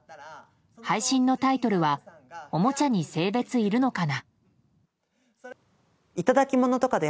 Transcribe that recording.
配信のタイトルは「＃おもちゃに性別いるのかな」。